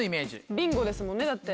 ビンゴですもんねだって。